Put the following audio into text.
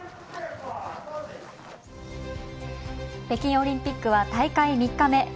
北京オリンピックは大会３日目。